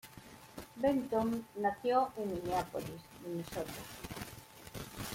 Benton nació en Minneapolis, Minnesota.